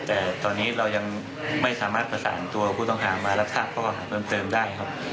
แต่ตอนนี้เรายังไม่สามารถประสานตัวผู้ต้องหามารับทราบข้ออาหารเพิ่มเติมได้ครับ